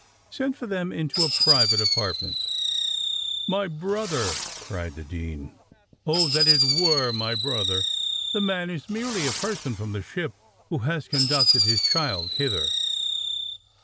Send for them into a private apartment." "My brother!" cried the dean; "oh! that it were my brother! The man is merely a person from the ship, who has conducted his child hither."